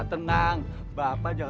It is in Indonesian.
tarian lagi aja tuh